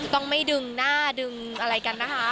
ต้องไม่ดึงหน้าดึงอะไรกันนะคะ